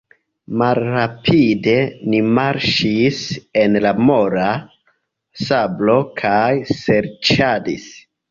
Malrapide ni marŝis en la mola sablo kaj serĉadis.